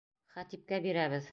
Хәтипкә бирәбеҙ.